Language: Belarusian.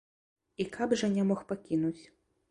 І каб жа не мог пакінуць.